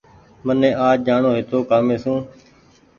مني آج جآڻو هيتو ڪآمي سون